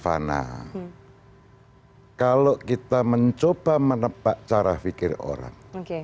pak rizky saya ingin mencoba untuk mencoba cara pikir orang